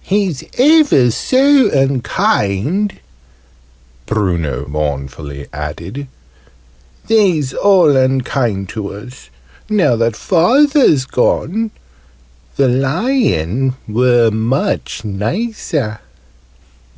"He's ever so unkind!" Bruno mournfully added. "They's all unkind to us, now that Father's gone. The Lion were much nicer!"